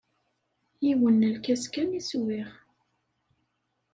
Yiwen n lkas kan i swiɣ.